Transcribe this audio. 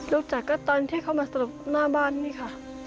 รู้จักก็ตอนที่เขามาสรุปหน้าบ้านนี่ค่ะ